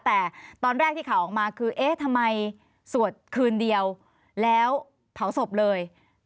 แต่ตอนแรกที่ข่าวออกมาคือเอ๊ะทำไมสวดคืนเดียวแล้วเผาศพเลย